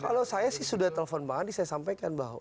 kalau saya sih sudah telepon bang andi saya sampaikan bahwa